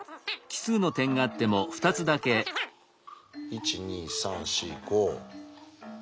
１２３４５。